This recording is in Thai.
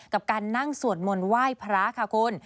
กับการนั่งสวดมนต์ไหว้พระค่ะคุณ